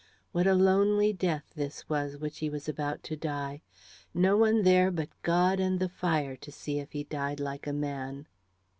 What a lonely death this was which he was about to die! No one there but God and the fire to see if he died like a man!